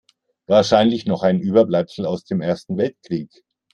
Wahrscheinlich noch ein Überbleibsel aus dem Ersten Weltkrieg.